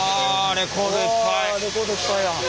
レコードいっぱいや。